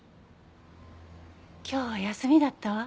今日は休みだったわ。